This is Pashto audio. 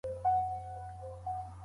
ميرمني خاوند ته ضرر ونه رساوه.